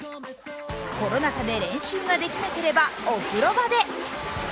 コロナ禍で練習ができなければお風呂場で。